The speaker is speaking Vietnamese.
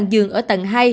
sáu dường ở tầng hai